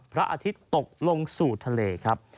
พระอาทิตย์ตกลงสู่ทะเลครับ